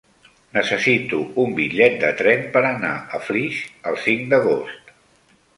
Necessito un bitllet de tren per anar a Flix el cinc d'agost.